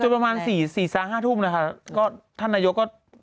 จนประมาณ๔๕ทุ่มนะคะก็ท่านนายกก็